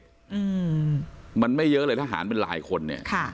อืมมันไม่เยอะเลยทหารเป็นหลายคนเนี่ยค่ะ